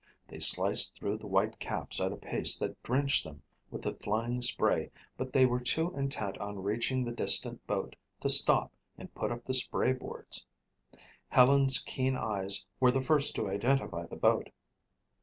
They sliced through the white caps at a pace that drenched them with the flying spray but they were too intent on reaching the distant boat to stop and put up the spray boards. Helen's keen eyes were the first to identify the boat.